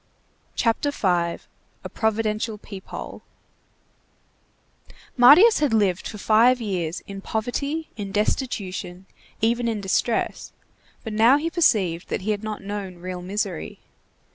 CHAPTER V—A PROVIDENTIAL PEEP HOLE Marius had lived for five years in poverty, in destitution, even in distress, but he now perceived that he had not known real misery.